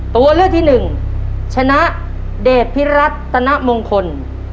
ตัวเลือกที่หนึ่งชนะเดชพิรัตนมงคล